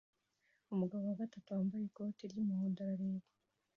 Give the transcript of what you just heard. umugabo wa gatatu wambaye ikoti ry'umuhondo arareba